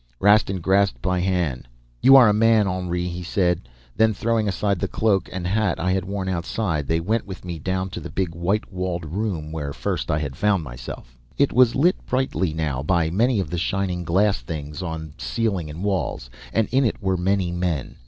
"Rastin grasped my hand. 'You are a man, Henri,' he said. Then, throwing aside the cloak and hat I had worn outside, they went with me down to the big white walled room where first I had found myself. "It was lit brightly now by many of the shining glass things on ceiling and walls, and in it were many men.